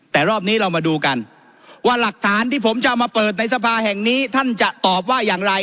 แต่รอบนี้เรามาดูกันว่าหลักฐานที่ผมจะเอามาเปิดในสภาแห่งนี้ท่านจะตอบว่าอย่างไร